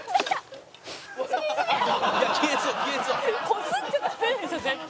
「こすっちゃダメでしょ絶対」